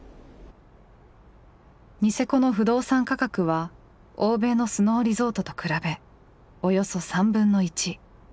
ニセコの不動産価格は欧米のスノーリゾートと比べおよそ３分の１。